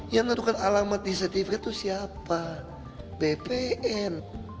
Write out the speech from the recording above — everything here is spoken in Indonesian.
yang menentukan alamat di sertifikat itu siapa bpn